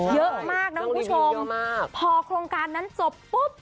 เยอะมากนะคุณผู้ชมพอโครงการนั้นจบปุ๊บ